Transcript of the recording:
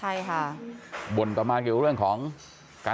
ครึ่งว่ารู้เป็นภาพหรือคะ